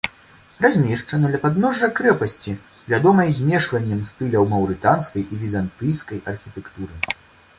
Размешчана ля падножжа крэпасці, вядомай змешваннем стыляў маўрытанскай і візантыйскай архітэктуры.